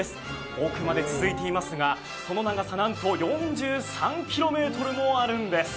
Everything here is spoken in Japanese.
奥まで続いていますが、その長さなんと４３ｋｍもあるんです。